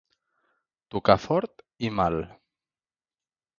Tocar fort i mal.